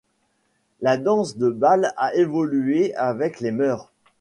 La danse de bal a évolué avec les mœurs.